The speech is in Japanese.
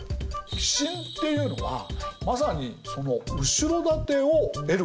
寄進っていうのはまさにその後ろ盾を得ること。